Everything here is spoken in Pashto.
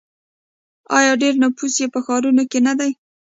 آیا ډیری نفوس یې په ښارونو کې نه دی؟